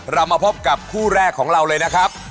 เธอกระดาษของเรานั้นนะครับ